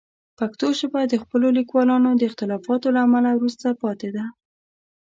پښتو ژبه د خپلو لیکوالانو د اختلافاتو له امله وروسته پاتې ده.